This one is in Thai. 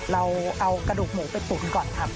เราเอากระดูกหมูไปตุ๋นก่อนครับ